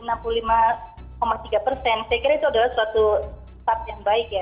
saya kira itu adalah suatu saat yang baik ya